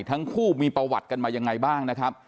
ทั้งคู่มีประวัติกันมายังไงบ้างนะครับ